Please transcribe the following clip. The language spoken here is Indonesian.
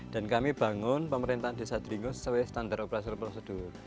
dan kami bangun pemerintahan desa dringus sesuai standar operasi prosedur